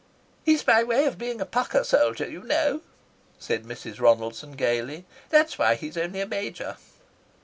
"He's by way of being a pukka soldier, you know," said Mrs. Ronaldson gaily. "That's why he's only a Major."